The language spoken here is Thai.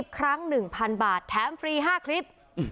ครั้ง๑๐๐๐บาทแถมฟรี๕คลิป